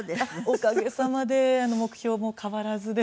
おかげさまで目標も変わらずですけれども。